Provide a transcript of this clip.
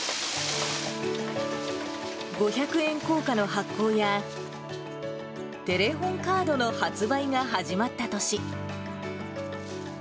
五百円硬貨の発行や、テレホンカードの発売が始まった年。